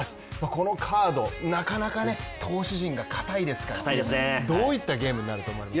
このカード、なかなか投手陣が堅いですからどういったゲームになると思われますか？